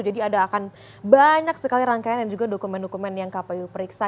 jadi ada akan banyak sekali rangkaian dan juga dokumen dokumen yang kpu periksa